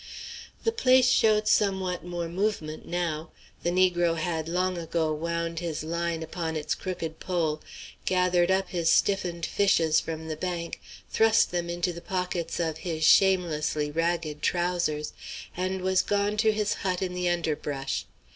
The place showed somewhat more movement now. The negro had long ago wound his line upon its crooked pole, gathered up his stiffened fishes from the bank, thrust them into the pockets of his shamelessly ragged trousers, and was gone to his hut in the underbrush.